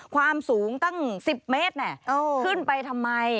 ความสูงตั้ง๑๐เมตรขึ้นไปทำไม